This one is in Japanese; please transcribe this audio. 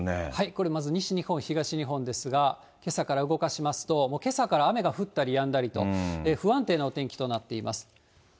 これまず、西日本、東日本ですが、けさから動かしますと、けさから雨が降ったりやんだりと、不安定なお天気となっています。